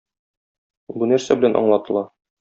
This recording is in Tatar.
Бу нәрсә белән аңлатыла?